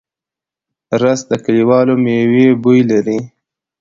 رس د کلیوالو مېوو بوی لري